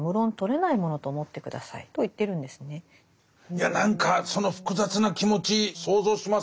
いや何かその複雑な気持ち想像しますね。